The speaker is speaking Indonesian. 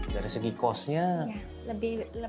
untuk menghemat biaya pembangunan